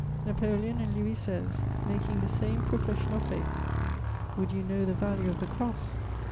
Napoleon and Louis XVI. making the same profession of faith! Would you know the value of the Cross?